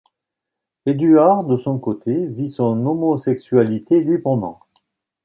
Eduard de son côté vit son homosexualité librement.